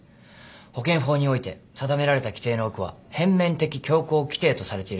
保険法において定められた規定の多くは片面的強行規定とされているため。